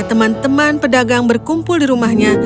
teman teman pedagang berkumpul di rumahnya